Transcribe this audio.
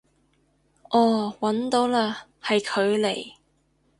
哦搵到嘞，係佢嚟